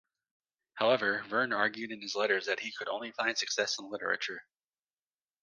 However, Verne argued in his letters that he could only find success in literature.